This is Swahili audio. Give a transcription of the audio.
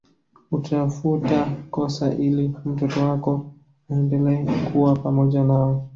Utafuta kosa ili mtoto wako aendelee kuwa pamoja nawe